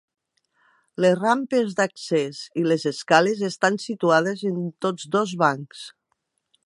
Les rampes d'accés i les escales estan situades en tots dos bancs.